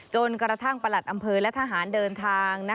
กระทั่งประหลัดอำเภอและทหารเดินทาง